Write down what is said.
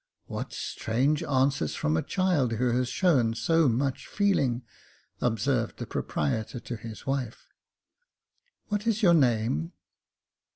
"What strange answers from a child who has shown so much feeling," observed the proprietor to his wife. " What is your name